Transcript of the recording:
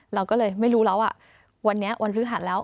เราก็เลยไม่รู้แล้วว่าวันนี้วันพฤหัสแล้ว